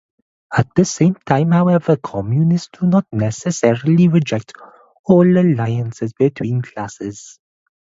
At the same time, however, communists do not necessarily reject all alliances between classes.